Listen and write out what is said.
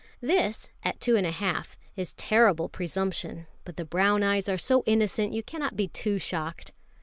This, at two and a half, is terrible presumption; but the brown eyes are so innocent, you cannot be too shocked.